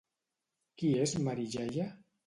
Qui és Mari Jaia?